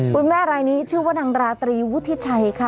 คุณแม่รายนี้ชื่อว่านางราตรีวุฒิชัยค่ะ